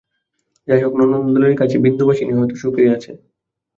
যাই হোক, নন্দলালের কাছে বিন্দুবাসিনী হয়তো সুখেই আছে।